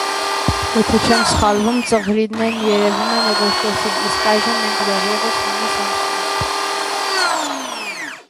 - Եթե չեմ սխալվում, ծղրիդներն երևում են օգոստոսին, իսկ այժմ մենք դեռևս հունիս ամսումն ենք: